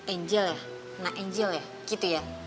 angel ya nah angel ya gitu ya